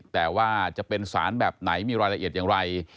แต่ว่าจะเป็นสารแบบไหนมีรายละเอียดอย่างไร